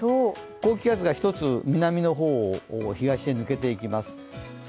高気圧が１つ、南の方を東へ抜けていきます。